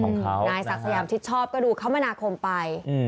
นายศักดิ์สยามชิดชอบก็ดูคมนาคมไป